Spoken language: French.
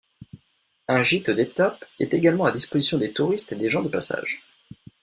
Un gîte d'étape est également à disposition des touristes et des gens de passage.